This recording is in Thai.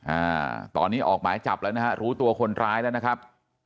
อ่าตอนนี้ออกหมายจับแล้วนะฮะรู้ตัวคนร้ายแล้วนะครับ